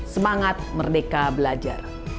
semangat merdeka belajar